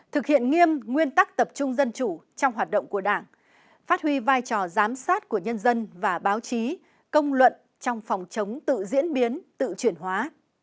thực hiện nghiêm nguyên tắc tập trung dân chủ trong hoạt động của đảng phát huy vai trò giám sát của nhân dân và báo chí công luận trong phòng chống tự diễn biến tự chuyển hóa